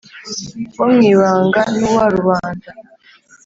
Wo mu ibanga n’uwa rubanda.